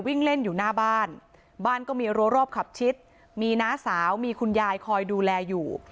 วิ่งเล่นอยู่หน้าบ้านบ้านก็มีรัวรอบขับชิดมีน้าสาวมีคุณยายคอยดูแลอยู่